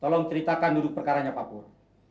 tolong ceritakan duduk perkaranya pak pur